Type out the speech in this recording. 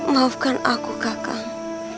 maafkan aku kakang